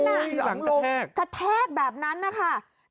นั่นแหละกะแทกแบบนั้นค่ะ